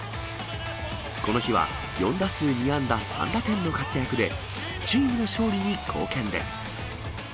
この日は、４打数２安打３打点の活躍で、チームの勝利に貢献です。